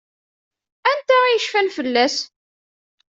Anta i yecfan fell-as?